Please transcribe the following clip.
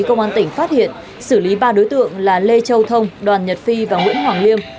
công an tỉnh phát hiện xử lý ba đối tượng là lê châu thông đoàn nhật phi và nguyễn hoàng liêm